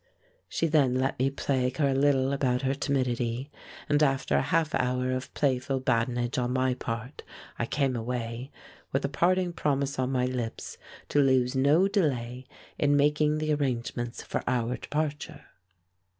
She then let me plague her a little about her timidity, and after a half hour of playful badinage on my part I came away, with a parting promise on my lips to lose no delay in making the arrangements for our departure.